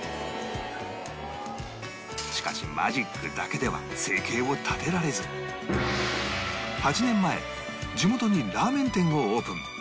しかしマジックだけでは生計を立てられず８年前地元にラーメン店をオープン